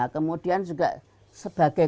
kemudian juga sebagai